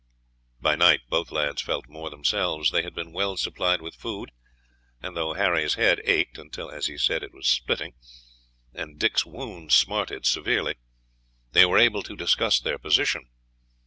By night both lads felt more themselves. They had been well supplied with food, and though Harry's head ached until, as he said, it was splitting, and Dick's wound smarted severely, they were able to discuss their position.